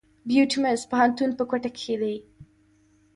بيوټمز پوهنتون په کوټه کښي دی.